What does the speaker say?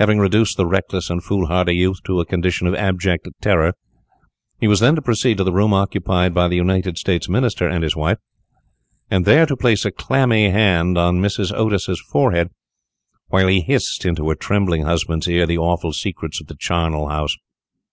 Having reduced the reckless and foolhardy youth to a condition of abject terror, he was then to proceed to the room occupied by the United States Minister and his wife, and there to place a clammy hand on Mrs. Otis's forehead, while he hissed into her trembling husband's ear the awful secrets of the charnel house.